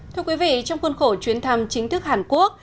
thưa quý vị trong khuôn khổ chuyến thăm chính thức hàn quốc